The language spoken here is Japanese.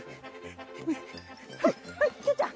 はいはい菊ちゃん。